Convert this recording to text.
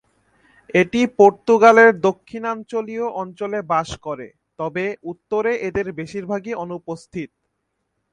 এটি পর্তুগালের দক্ষিণাঞ্চলীয় অঞ্চলে বাস করে তবে উত্তরে এদের বেশিরভাগই অনুপস্থিত।